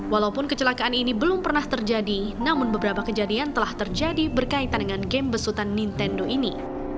walaupun kecelakaan ini belum pernah terjadi namun beberapa kejadian telah terjadi berkaitan dengan game besutan nintendo ini